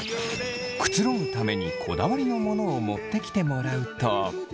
くつろぐためにこだわりのモノを持ってきてもらうと。